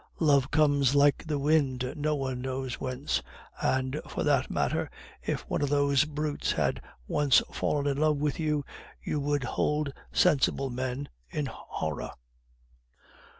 "Love comes like the wind, no one knows whence. And, for that matter, if one of those brutes had once fallen in love with you, you would hold sensible men in horror."